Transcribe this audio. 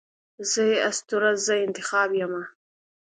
زه یې اسطوره، زه انتخاب یمه